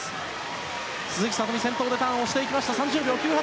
鈴木聡美、先頭でターンをしていきました。